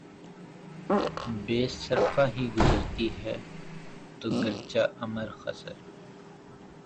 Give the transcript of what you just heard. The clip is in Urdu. بے صرفہ ہی گزرتی ہے ہو گرچہ عمر خضر